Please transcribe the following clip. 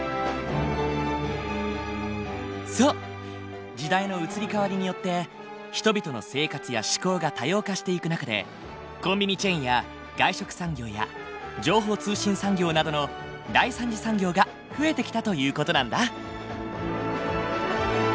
そう時代の移り変わりによって人々の生活や嗜好が多様化していく中でコンビニチェーンや外食産業や情報通信産業などの第三次産業が増えてきたという事なんだ。